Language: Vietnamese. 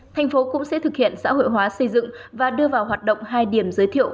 thành phố cũng sẽ thực hiện xã hội hóa xây dựng và đưa vào hoạt động hai điểm giới thiệu